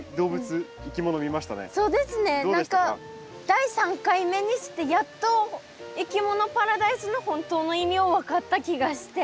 第３回目にしてやっといきものパラダイスの本当の意味を分かった気がして。